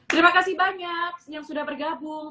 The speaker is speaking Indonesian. terima kasih banyak yang sudah bergabung